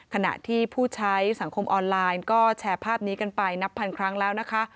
ขณะที่ผู้ใช้สังคมออนไลน์ก็แชร์ภาพนี้กันไปนับพันครั้งแล้วนะคะ